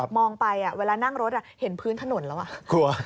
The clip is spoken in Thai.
มองไปเวลานั่งรถเห็นพื้นถนนแล้วกลัว